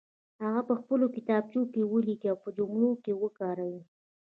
هغه په خپلو کتابچو کې ولیکئ او په جملو کې وکاروئ.